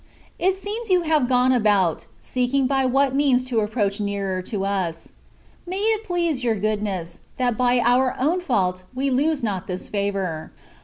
It seems you have gone about, seeking by what means to approach nearer to us. May it please your Goodness, that by our own fault we lose not this favour.